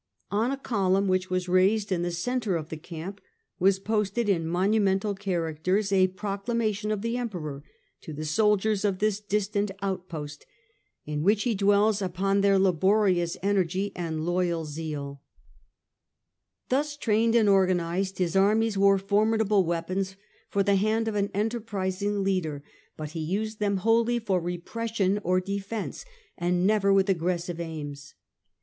On a column Lambaesis. which was raised in the centre of the camp v/as posted in monumental characters a proclamation of the Emperor to the soldiers of this distant outpost, in which he dwells upon their laborious energy and loyal zeaL Hadrian. 53 Thus trained and organized, his armies were formid able weapons for the hand of an enterprising leader, but he used them wholly for repression or defence, and never with aggressive aims.